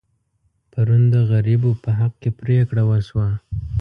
پرون د غریبو په حق کې پرېکړه وشوه.